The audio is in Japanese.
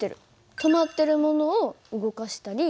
止まってるものを動かしたり。